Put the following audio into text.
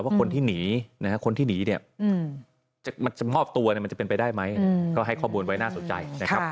ว่าคนที่หนีเนี่ยมอบตัวมันจะเป็นไปได้มั้ยก็ให้ข้อมูลไว้น่าสนใจ